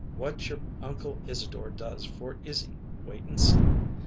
What your Uncle Isadore does for Izzy wait and see.